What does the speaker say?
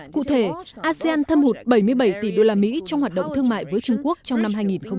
cụ thể asean thâm hụt bảy mươi bảy tỷ đô la mỹ trong hoạt động thương mại với trung quốc trong năm hai nghìn một mươi năm